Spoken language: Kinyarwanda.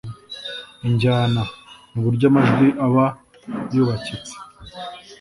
Injyana: ni uburyo amajwi aba yubakitse,